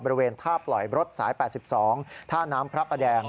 บริเวณท่าปล่อยรถสาย๘๒ท่าน้ำพระประแดง